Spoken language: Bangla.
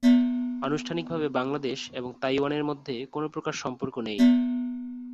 আনুষ্ঠানিকভাবে বাংলাদেশ এবং তাইওয়ানের মধ্যে কোনো প্রকার সম্পর্ক নেই।